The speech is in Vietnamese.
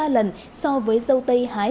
hai ba lần so với sầu tây hái